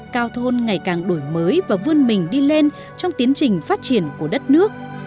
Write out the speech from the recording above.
cao thôn ngày càng đổi mới và vươn mình đi lên trong tiến trình phát triển của đất nước